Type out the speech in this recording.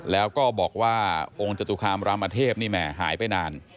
แล้วก็บอกว่าองค์จตุคามรามเทพนี่แหมหายไปนาน